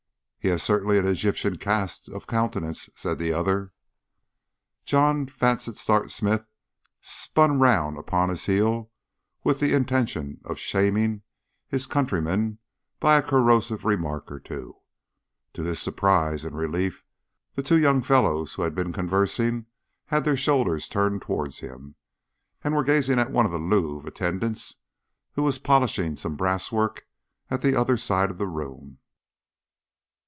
"He has certainly an Egyptian cast of countenance," said the other. John Vansittart Smith spun round upon his heel with the intention of shaming his countrymen by a corrosive remark or two. To his surprise and relief, the two young fellows who had been conversing had their shoulders turned towards him, and were gazing at one of the Louvre attendants who was polishing some brass work at the other side of the room.